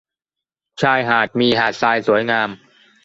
ชายหาดมีหาดทรายสวยงาม